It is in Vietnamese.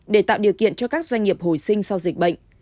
để tạo điều kiện cho các doanh nghiệp hồi sinh sau dịch bệnh